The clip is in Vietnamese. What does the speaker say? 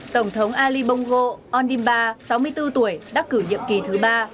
tổng thống ali bongo ondimba sáu mươi bốn tuổi đắc cử nhiệm kỳ thứ ba